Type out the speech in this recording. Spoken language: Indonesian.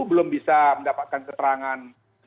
belum bisa mendapatkan keterangan